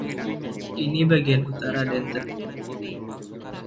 Ini bagian utara Denton.